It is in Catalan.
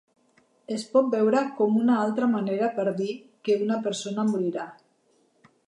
Es pot veure com una altra manera per dir que una persona morirà.